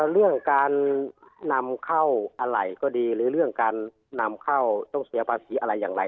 เรื่องการนำเข้าอะไรก็ดีหรือเรื่องการนำเข้าต้องเสียภาษีอะไรอย่างไร